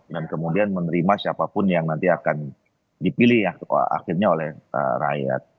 dan kemudian menerima siapapun yang nanti akan dipilih ya akhirnya oleh rakyat